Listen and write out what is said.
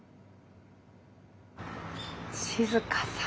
静さん。